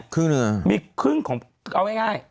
ครึ่งหนึ่งหรือเปล่าเอาง่าย